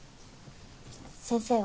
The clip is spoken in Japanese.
先生は？